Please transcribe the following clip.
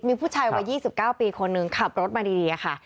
มีผู้ชายวัย๒๙ปีคนหนึ่งขับรถมาดีค่ะ